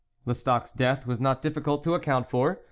" Lestocq's death was not difficult to account for.